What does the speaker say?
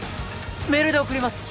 メールで送ります